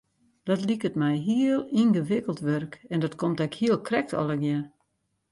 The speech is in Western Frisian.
Dat liket my heel yngewikkeld wurk en dat komt ek hiel krekt allegear.